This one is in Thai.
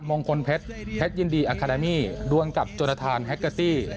มงคลเพชรเพชรยินดีอาร์คาแดมี่รวมกับจนทานแฮกเกอตตี้